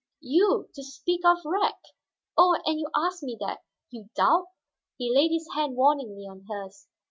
You, you to speak of wreck! Oh, and you ask me that, you doubt?" He laid his hand warningly on hers.